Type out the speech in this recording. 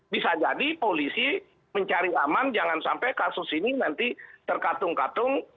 bisa jadi polisi mencari aman jangan sampai kasus ini nanti terkatung katung